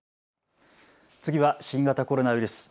次は新型コロナウイルス。